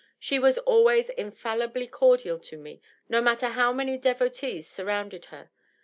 She was always infallibly cordial to me, no matter how many devotees surrounded her.